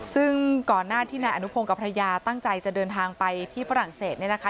ซึ่งก่อนหน้าที่นายอนุพงศ์กับภรรยาตั้งใจจะเดินทางไปที่ฝรั่งเศสเนี่ยนะคะ